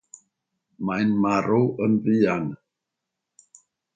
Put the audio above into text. Mae'n marw yn fuan.